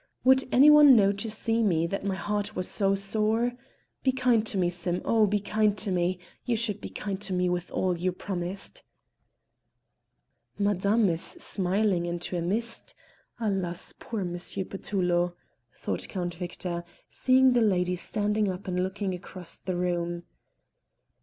Would any one know to see me that my heart was sore? Be kind to me, Sim, oh! be kind to me; you should be kind to me, with all you promised!" "Madame is smiling into a mist; alas! poor M. Petullo!" thought Count Victor, seeing the lady standing up and looking across the room.